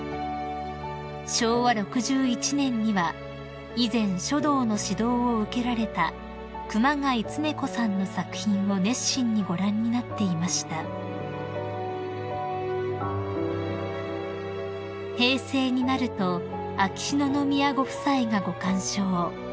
［昭和６１年には以前書道の指導を受けられた熊谷恒子さんの作品を熱心にご覧になっていました］［平成になると秋篠宮ご夫妻がご鑑賞］